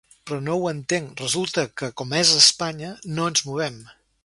Però no ho entenc, resulta que com que és Espanya no ens movem.